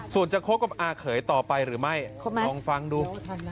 ส่วนจะคบกับอาเขยต่อไปหรือไม่ลองฟังดู